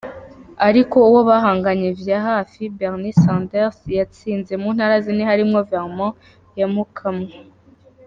Ariko uwo bahanganye vya hafi, Bernie Sanders, yatsinze mu ntara zine harimwo Vermont yamukamwo.